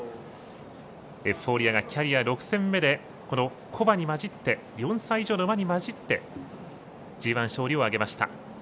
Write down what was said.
エフフォーリアがキャリア６戦目で古馬に混じって４歳以上の馬に混じってＧＩ勝利を挙げました。